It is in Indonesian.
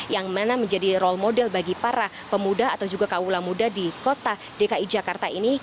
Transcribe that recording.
yang mana menjadi role model bagi para pemuda atau juga kaulah muda di kota dki jakarta ini